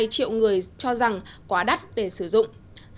hai triệu người cho rằng quá đắt để sử dụng